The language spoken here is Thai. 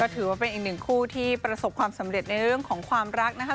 ถือว่าเป็นอีกหนึ่งคู่ที่ประสบความสำเร็จในเรื่องของความรักนะคะ